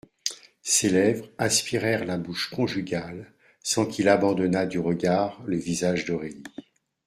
Ses lèvres aspirèrent la bouche conjugale, sans qu'il abandonnât du regard le visage d'Aurélie.